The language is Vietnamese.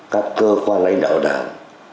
các cơ quan lãnh đạo đảng